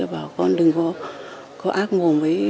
bảo con đừng có ác mồm ấy